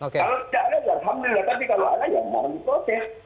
kalau tidak ada alhamdulillah tapi kalau ada ya mohon diproses